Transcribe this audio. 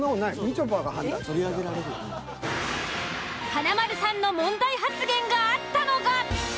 華丸さんの問題発言があったのが。